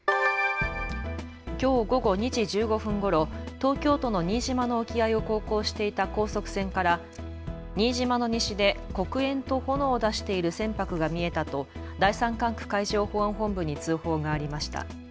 きょう午後２時１５分ごろ、東京都の新島の沖合を航行していた高速船から新島の西で黒煙と炎を出している船舶が見えたと第３管区海上保安本部に通報がありました。